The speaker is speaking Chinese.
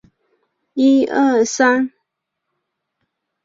使用莫斯科时间。